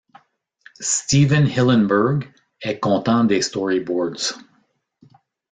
Stephen Hillenburg est content des storyboards.